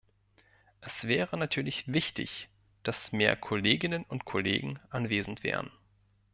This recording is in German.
Es wäre natürlich wichtig, dass mehr Kolleginnen und Kollegen anwesend wären.